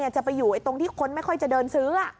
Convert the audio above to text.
จะไปอยู่ตรงที่คนไม่ค่อยจะเดินซื้อ